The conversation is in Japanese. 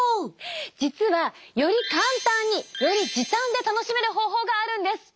実はより簡単により時短で楽しめる方法があるんです。